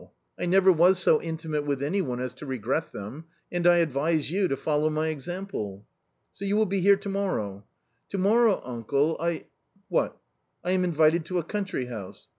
I never was so intimate with any one as to regret them, and I advise you to follow my example." "So you will be here to morrow ?"" To morrow, uncle, I "" What ?"" I am invited to a country house."